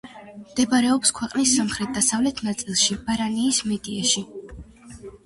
მდებარეობს ქვეყნის სამხრეთ-დასავლეთ ნაწილში, ბარანიის მედიეში.